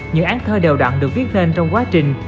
những án thơ đều đặn được viết lên trong quá trình